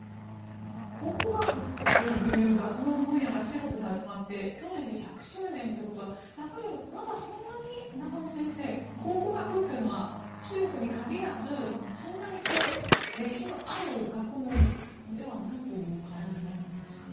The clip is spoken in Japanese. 考古学という学問分野が中国で始まって去年で１００周年ということはやっぱり、まだそんなに中野先生考古学というのは中国に限らずそんなに歴史のある学問ではないという感じなんですか。